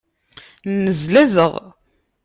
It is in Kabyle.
Nnezlazeɣ.